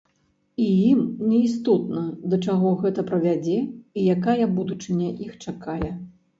І ім не істотна, да чаго гэта прывядзе і якая будучыня іх чакае.